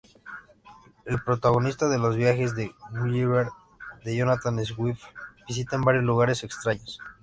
El protagonista de Los viajes de Gulliver de Jonathan Swift visitaba varios lugares extraños.